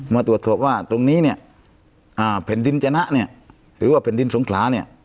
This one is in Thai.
มาตรวจสอบว่าตรงนี้เนี่ยแผ่นดินจนะเนี่ยหรือว่าแผ่นดินสงขลาเนี่ย